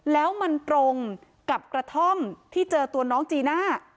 แล้วมันตรงกับกระท่อมที่เจอตัวน้องจีน่า